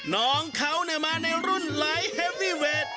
น้องเขามาในรุ่นหลายเฮ้ววีเวท